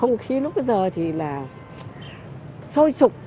không khí lúc bây giờ thì là sôi sụp